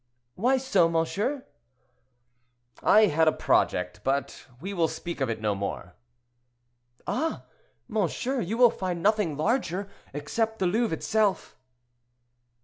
"Why so, monsieur?" "I had a project—but we will speak of it no more." "Ah! monsieur, you will find nothing larger, except the Louvre itself."